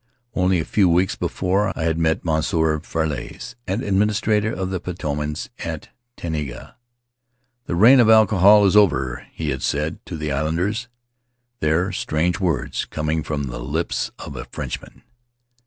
Only a few weeks before I had met Monsieur Ferlys, the administrator of the Paumotus, at Taenga. 'The reign of alcohol is over," he had said to the islanders there — strange words, coming from the lips of a Frenchman.